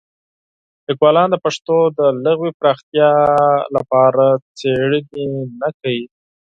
لیکوالان د پښتو د لغوي پراختیا لپاره څېړنې نه کوي.